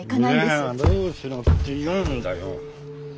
じゃあどうしろっていうんだよ。